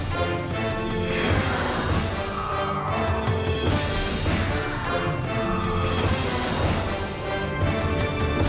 โปรดติดตามตอนต่อไป